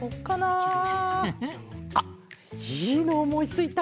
フフフ。あっいいのおもいついた。